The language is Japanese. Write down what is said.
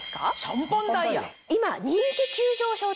今。